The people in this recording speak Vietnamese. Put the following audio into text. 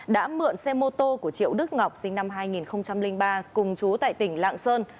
đã mượn xe mô tô của triệu đức ngọc sinh năm hai nghìn ba cùng chú tại tỉnh lạng sơn